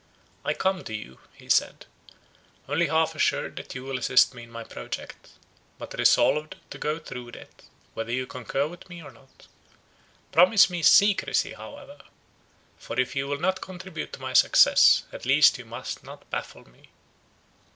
"I come to you," he said, "only half assured that you will assist me in my project, but resolved to go through with it, whether you concur with me or not. Promise me secrecy however; for if you will not contribute to my success, at least you must not baffle me."